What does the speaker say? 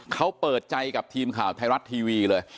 เขาเปิดใจกับทีมข่าวไทยรัฐทีวีเลย